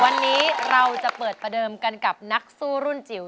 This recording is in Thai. วันนี้เราจะเปิดประเดิมกันกับนักสู้รุ่นจิ๋ว